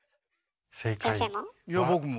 先生も？